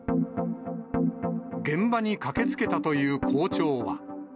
現場に駆けつけたという校長は。